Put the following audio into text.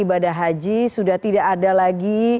ibadah haji sudah tidak ada lagi